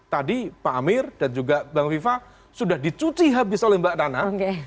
tadi pak amir dan juga bang viva sudah dicuci habis oleh mbak dana